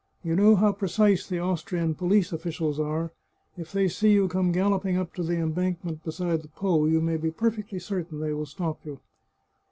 You know how precise the Austrian police officials are ; if they see you come galloping up to the embankment beside the Po you may be perfectly certain they will stop you."